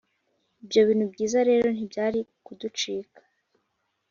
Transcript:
ibyo bintu byiza rero ntibyari kuducika